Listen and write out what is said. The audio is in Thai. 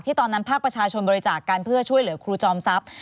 ตอนนั้นภาคประชาชนบริจาคกันเพื่อช่วยเหลือครูจอมทรัพย์